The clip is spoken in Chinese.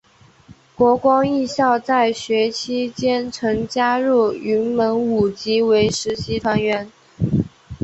国光艺校在学期间曾加入云门舞集为实习团员。